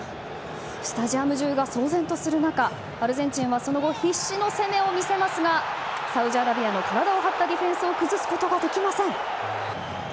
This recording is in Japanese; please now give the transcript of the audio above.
スタジアム中が騒然とする中アルゼンチンはその後、必死の攻めを見せますがサウジアラビアの体を張ったディフェンスを崩すことができません。